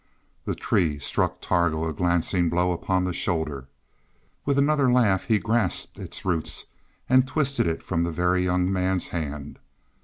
The tree struck Targo a glancing blow upon the shoulder. With another laugh he grasped its roots and twisted it from the Very Young Man's hand.